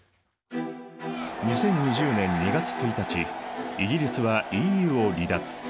２０２０年２月１日イギリスはＥＵを離脱。